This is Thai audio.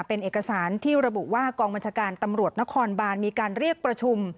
เป็นเอกสารที่ระบุว่ากองบัญชาการตำรวจนครบานมีการเรียกประชุม